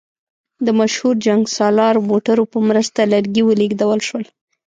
د مشهور جنګسالار موټرو په مرسته لرګي ولېږدول شول.